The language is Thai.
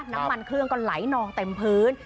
น้ำมันเครื่องก็ไหลนองเต็มพื้น